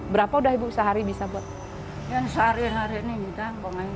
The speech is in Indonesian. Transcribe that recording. berapa udah ibu sehari bisa buat yang sehari hari ini bisa ngayu